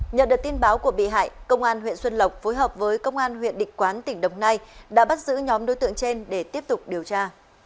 nhờ được tin báo của bị hại công an huyện xuân lộc phối hợp với công an huyện định quán tỉnh đồng nai đã bắt giữ nhóm đối tượng trên để tiếp tục điều tra